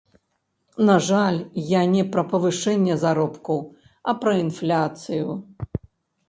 На жаль, я не пра павышэнне заробку, а пра інфляцыю.